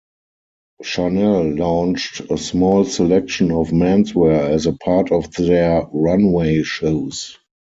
Chanel launched a small selection of menswear as a part of their runway shows.